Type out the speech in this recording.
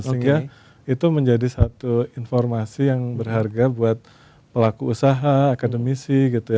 sehingga itu menjadi satu informasi yang berharga buat pelaku usaha akademisi gitu ya